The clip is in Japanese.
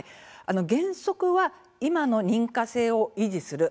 原則は今の認可制を維持する。